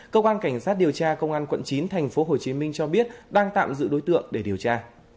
cơ quan cảnh sát điều tra công an quận chín tp hcm cho biết đang tạm giữ đối tượng để điều tra